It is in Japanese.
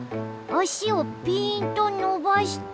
あしをぴーんとのばして。